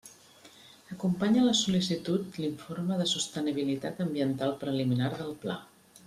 Acompanya la sol·licitud l'informe de sostenibilitat ambiental preliminar del Pla.